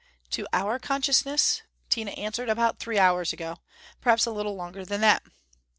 "To our consciousness," Tina answered, "about three hours ago. Perhaps a little longer than that."